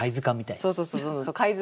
そうそうそう貝塚。